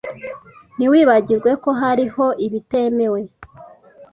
Ntiwibagirwe ko hariho ibitemewe